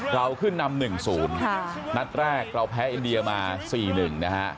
เราขึ้นนำ๑๐นัดแรกเราแพ้อินเดียมา๔๑นะฮะ